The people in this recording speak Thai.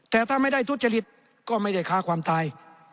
แต่ถ้าไม่ได้ทุจริตก็ไม่ได้ฆ่าความตาย